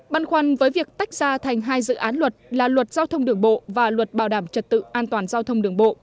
băn khoăn với việc tách ra thành hai dự án luật là luật giao thông đường bộ và luật bảo đảm trật tự an toàn giao thông đường bộ